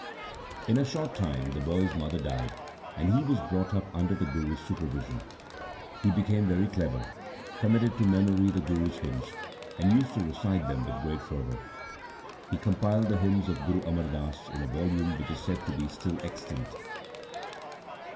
In a short time the boy's mother died, and he was brought up under the Guru's supervision. He became very clever, com mitted to memory the Guru's hymns, and used to recite them with great fervour. He compiled the hymns of Guru Amar Das in a volume which is said to be still extant.